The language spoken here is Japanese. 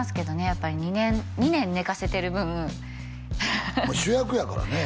やっぱり２年寝かせてる分主役やからね